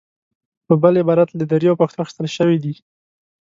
په بل عبارت له دري او پښتو اخیستل شوې دي.